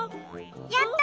やった！